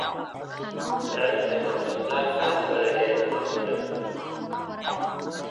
سعید ته د خپل پلار هره خبره ډېره ارزښتمنه ده.